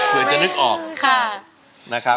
เผื่อจะนึกออก